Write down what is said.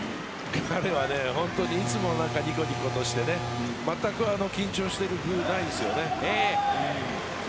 彼は、いつもニコニコして全く緊張している様子がないんですね。